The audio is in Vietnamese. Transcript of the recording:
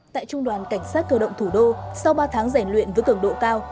tại trung đoàn cảnh sát cơ động thủ đô sau ba tháng rèn luyện với cường độ cao